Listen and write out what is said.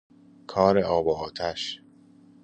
کار آب وآتش